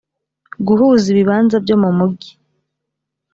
guhuza ibibanza byo mu mujyi